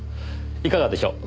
いかがでしょう？